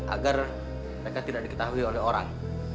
agar mereka tidak diketahui oleh orang